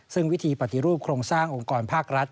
ซึ่งวิธีปฏิรูปโครงสร้างองค์กรภาครัฐ